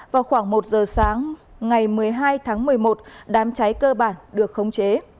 vào khoảng một giờ sáng ngày một mươi hai tháng một mươi một đám cháy cơ bản được khống chế